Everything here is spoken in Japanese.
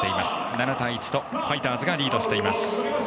７対１とファイターズがリードしています。